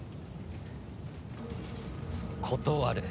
断る。